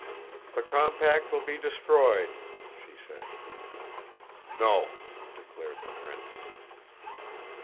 "The compact will be destroyed," she said. "No," declared the prince.